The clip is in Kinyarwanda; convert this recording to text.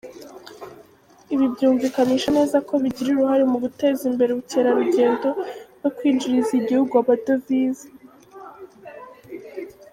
Ibi byumvikanisha neza ko bigira uruhare mu guteza imbere ubukerarugendo no kwinjiriza igihugu amadovize.